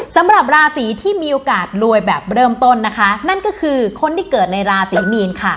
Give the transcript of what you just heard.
สำหรับราศีที่มีโอกาสรวยแบบเริ่มต้นนะคะนั่นก็คือคนที่เกิดในราศีมีนค่ะ